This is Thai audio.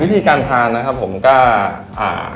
วิธีการทานนะครับผมก็อ่า